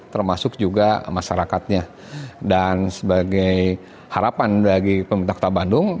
termasuk juga masyarakatnya dan sebagai harapan bagi pemerintah kota bandung